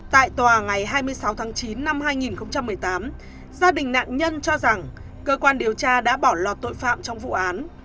tại tòa ngày hai mươi sáu tháng chín năm hai nghìn một mươi tám gia đình nạn nhân cho rằng cơ quan điều tra đã bỏ lọt tội phạm trong vụ án